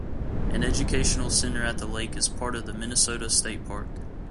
An educational center at the lake is part of the Minnesota state park.